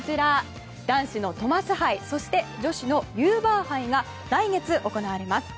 男子のトマス杯そして、女子のユーバー杯が来月、行われます。